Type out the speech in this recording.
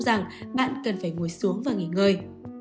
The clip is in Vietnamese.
rằng bạn cần phải ngồi xuống và nghỉ ngơi